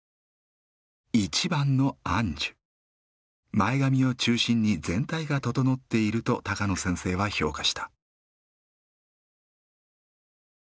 前髪を中心に全体が整っていると高野先生は評価した。